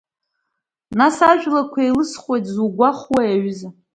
Нас ажәлақәа еилысхуеит зугәахәуеи аҩыза?